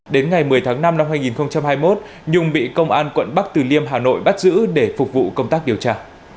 đến ngày một mươi tháng năm năm hai nghìn hai mươi một nhung bị công an quận bắc từ liêm hà nội bắt giữ để phục vụ công tác điều tra